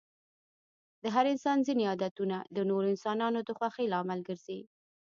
د هر انسان ځيني عادتونه د نورو انسانانو د خوښی لامل ګرځي.